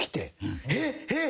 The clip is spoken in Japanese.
「えっ！？えっ！？